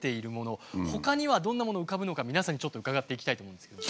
ほかにはどんなものが浮かぶのか皆さんにちょっと伺っていきたいと思うんですけど。